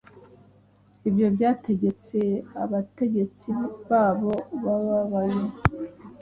Ibyo byategetse abategetsi babo bababaye